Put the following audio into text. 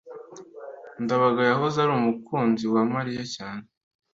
ndabaga yahoze ari umukunzi wa mariya cyane